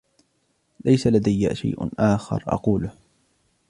ليس لدي شيء آخر أقوله.